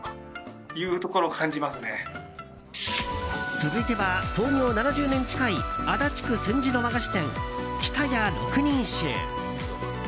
続いては、創業７０年近い足立区千住の和菓子店喜田家六人衆。